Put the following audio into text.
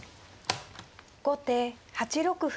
後手８六歩。